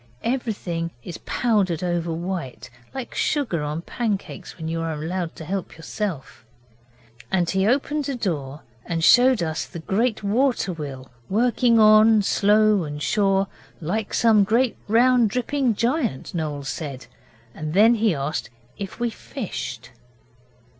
Everything is powdered over white, like sugar on pancakes when you are allowed to help yourself. And he opened a door and showed us the great water wheel working on slow and sure, like some great, round, dripping giant, Noel said, and then he asked us if we fished.